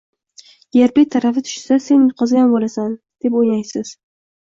gerbli tarafi tushsa, sen yutqazgan bo‘lasan, deb o‘ynaysiz.